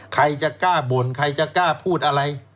ใครจะกล้าบ่นใครจะกล้าพูดอะไร